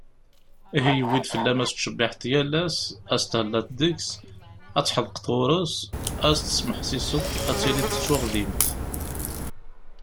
Ihi yewwi-d fell-am ad tettcebbiḥeḍ yal ass, ad teṭṭhellaḍ deg-s, ad tḥedqeḍ ɣuṛ-s, ad as-tesmeḥsiseḍ, ad tiliḍ d tuɣdimt.